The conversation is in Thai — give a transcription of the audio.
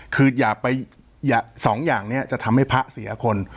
คืออย่าไปสองอย่างนี้จะทำให้พระเสียคน